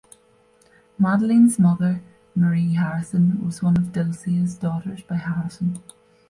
Madeline's mother, Marie Harrison, was one of Dilsia's daughters by Harrison.